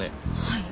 はい。